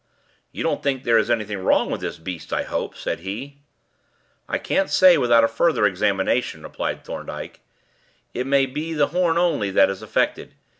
"You don't think there's anything wrong with this beast, sir, I hope," said he. "I can't say without a further examination," replied Thorndyke. "It may be the horn only that is affected.